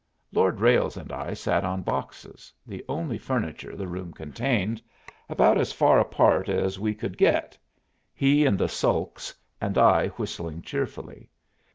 Lord Ralles and I sat on boxes the only furniture the room contained about as far apart as we could get, he in the sulks, and I whistling cheerfully.